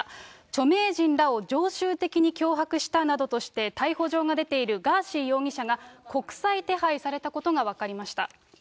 著名人らを常習的に脅迫したなどとして、逮捕状が出ているガーシー容疑者が、国際手配されたことが分かりました。